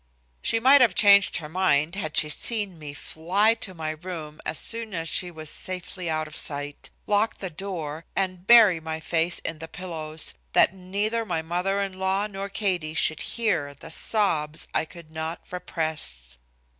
She might have changed her mind had she seen me fly to my room as soon as she was safely out of sight, lock the door, and bury my face in the pillows, that neither my mother in law nor Katie should hear the sobs I could not repress.